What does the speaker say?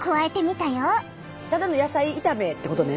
ただの野菜炒めってことね。